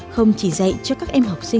không chỉ dạy cho các em học sinh